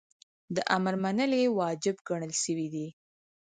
د امر منل یی واجب ګڼل سوی دی .